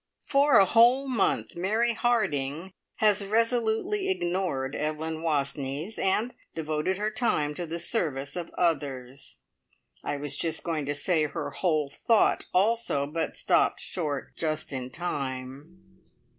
For a whole month Mary Harding has resolutely ignored Evelyn Wastneys, and devoted her time to the service of others. I was just going to say "her whole thought" also, but stopped short just in time.